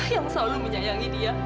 yang selalu menyayangi dia